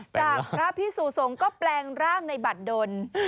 จากพระพี่สู่ทรงก็แปลงร่างในบัดดน